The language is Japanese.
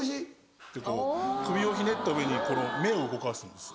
ってこう首をひねった上に目を動かすんです。